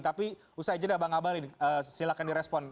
tapi usah aja dah bang ngabalin silakan di respon